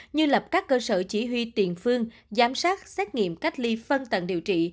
như lập các cơ sở chỉ huy tiền phương giám sát xét nghiệm cách ly phân tận điều trị